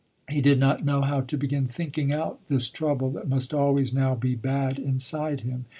He did not know how to begin thinking out this trouble that must always now be bad inside him.